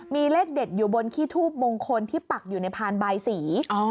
มีเลขเด็ดอยู่บนขี้ทูบมงคลที่ปักอยู่ในพานบายสี